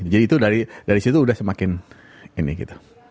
jadi itu dari situ sudah semakin ini gitu